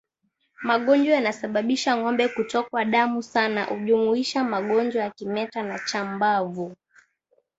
Magonjwa yanayosababisha ngombe kutokwa damu sana hujumuisha magonjwa ya kimeta na chambavu